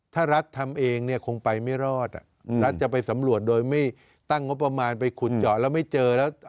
ถ้ารัฐทำเองเนี่ยคงไปไม่รอดรัฐจะไปสำรวจโดยไม่ตั้งงบประมาณไปขุดเจาะแล้วไม่เจอแล้ว